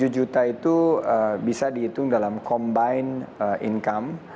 tujuh juta itu bisa dihitung dalam combine income